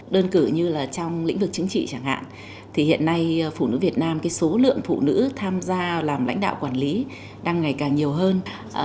đơn cử như là trong lĩnh vực chính trị chẳng hạn thì hiện nay phụ nữ việt nam cái số lượng phụ nữ tham gia làm lãnh đạo quản lý đang ngày càng nhiều hơn